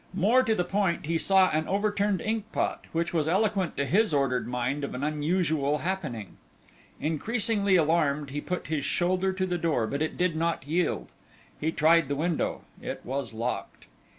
More to the point, he saw an overturned inkpot, which was eloquent to his ordered mind of an unusual happening. Increasingly alarmed, he put his shoulder to the door, but it did not yield. He tried the window; it was locked.